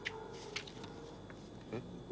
えっ。